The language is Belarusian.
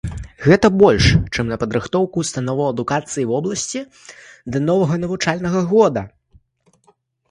Гэта больш, чым на падрыхтоўку ўстановаў адукацыі вобласці да новага навучальнага года.